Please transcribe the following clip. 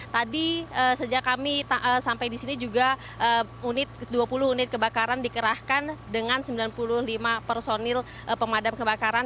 tadi sejak kami sampai di sini juga dua puluh unit kebakaran dikerahkan dengan sembilan puluh lima personil pemadam kebakaran